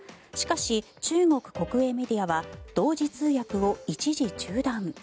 しかし中国国営メディアは同時通訳を一時中断。